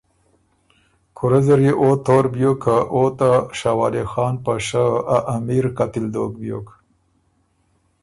کُورۀ زر يې او تور بیوک که او ته شاه ولی خان په شۀ ا امیر قتل دوک بیوک،